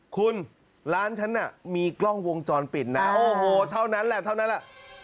คุณร้านฉันน่ะมีกล้องวงจรปิดนะโอ้โหเท่านั้นแหละเท่านั้นแหละ